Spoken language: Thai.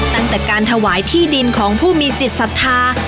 ตั้งแต่การถวายที่ดินของผู้มีจิตศรัทธา